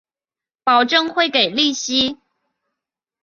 保证会给利息